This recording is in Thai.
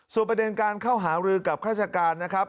ส่วนประเด็นการเข้าหารือกับข้าราชการนะครับ